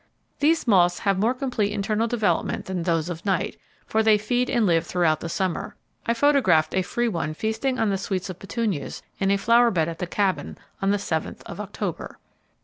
These moths have more complete internal development than those of night, for they feed and live throughout the summer. I photographed a free one feasting on the sweets of petunias in a flower bed at the Cabin, on the seventh of October.